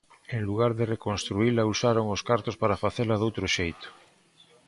En lugar de reconstruíla usaron os cartos para facela doutro xeito.